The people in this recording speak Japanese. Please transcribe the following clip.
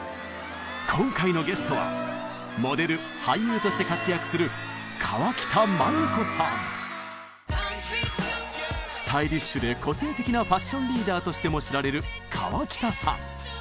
今回のゲストはモデル俳優として活躍するスタイリッシュで個性的なファッションリーダーとしても知られる河北さん。